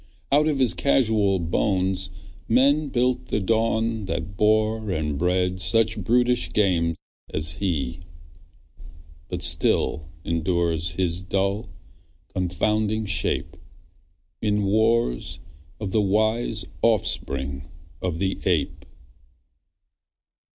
Out of his casual bones men build the dawn That bore and bred such brutish game as he. But still endures his dull, confounding shape: In wars of the wise offspring of the ape.